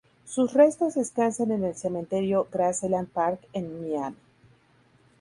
Sus restos descansan en el cementerio Graceland Park en Miami.